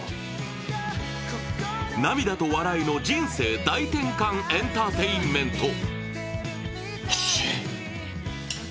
涙と笑いの人生大転換エンターテインメント。